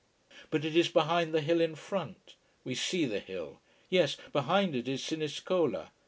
But it is behind the hill in front. We see the hill? Yes. Behind it is Siniscola.